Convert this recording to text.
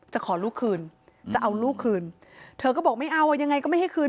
ขอลูกคืนจะเอาลูกคืนเธอก็บอกไม่เอาอ่ะยังไงก็ไม่ให้คืน